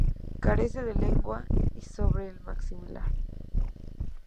Carece de lengua y sobre el maxilar.